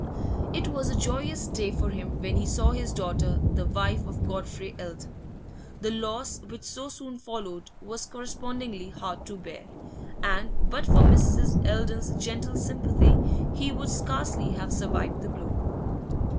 It was a joyous day for him when he saw his daughter the wife of Godfrey Eldon. The loss which so soon followed was correspondingly hard to bear, and but for Mrs. Eldon's gentle sympathy he would scarcely have survived the blow.